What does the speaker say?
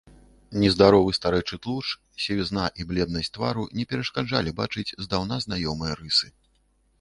Нездаровы старэчы тлушч, сівізна і бледнасць твару не перашкаджалі бачыць здаўна знаёмыя рысы.